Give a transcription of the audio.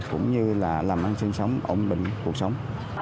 cũng như là làm ăn sinh sống ổn định cuộc sống